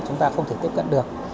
chúng ta không thể tiếp cận được